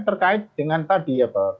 terkait dengan tadi